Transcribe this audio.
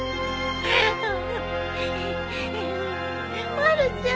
まるちゃん。